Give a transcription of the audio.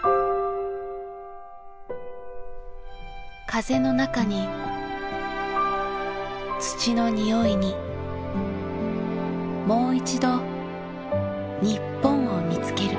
風の中に土の匂いにもういちど日本を見つける。